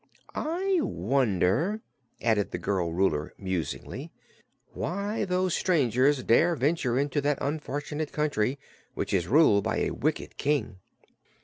"I wonder," added the girl Ruler, musingly, "why those strangers dare venture into that unfortunate country, which is ruled by a wicked King."